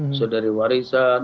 bisa dari warisan